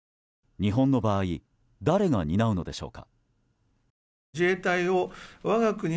日本の場合誰が担うのでしょうか。